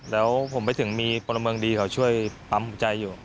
แล้วผมไปถึงมีพลเมืองดีเขาช่วยปั๊มหัวใจอยู่